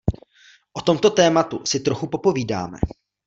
O tom tématu si trochu popovídáme.